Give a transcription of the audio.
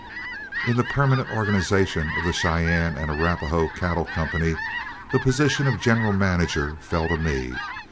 In the permanent organization of The Cheyenne and Arapahoe Cattle Company, the position of general manager fell to me.